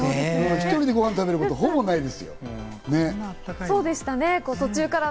１人でご飯食べること、ほぼないですから。